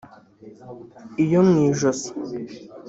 iyo mu ijosi